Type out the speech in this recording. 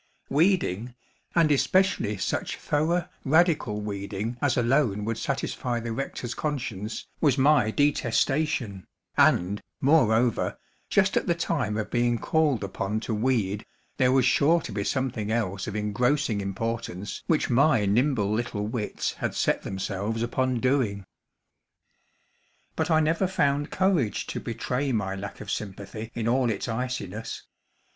Weeding, and especially such thorough, radical weeding as alone would satisfy the rector's conscience, was my detestation; and, moreover, just at the time of being called upon to weed, there was sure to be something else of engrossing importance which my nimble little wits had set themselves upon doing. But I never found courage to betray my lack of sympathy in all its iciness.